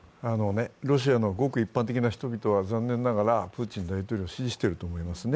ロシアのごく一般的な人々は残念ながらプーチン大統領を支持していると思いますね。